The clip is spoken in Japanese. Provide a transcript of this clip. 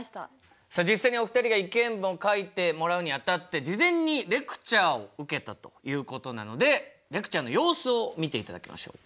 さあ実際にお二人が意見文を書いてもらうにあたって事前にレクチャーを受けたということなのでレクチャーの様子を見ていただきましょう。